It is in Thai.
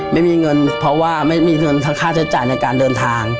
ไม่มีเงินเพราะว่าไม่มีเงินทั้งค่าใช้จ่ายในการเดินทาง